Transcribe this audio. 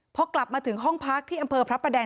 พอกลับมาถึงห้องพักที่อำเภอพระประแดง